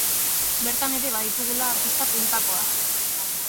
Bertan ere baditugula artista puntakoak.